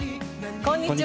こんにちは。